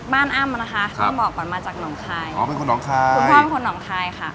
อ้ำนะคะต้องบอกก่อนมาจากหนองคายอ๋อเป็นคนหนองคายคุณพ่อเป็นคนหนองคายค่ะ